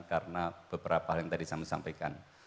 karena beberapa hal yang tadi saya sampaikan